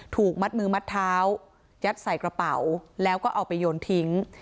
ถูกมัดมือมัดเท้ายัดใส่กระเป๋าแล้วก็เอาไปโยนทิ้ง